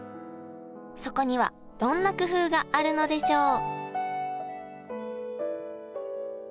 そこにはどんな工夫があるのでしょう？